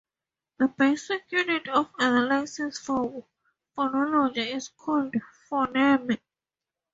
The basic unit of analysis for phonology is called phoneme.